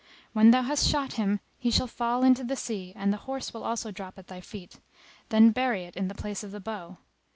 When thou hast shot him he shall fall into the sea, and the horse will also drop at thy feet: then bury it in the place of the bow.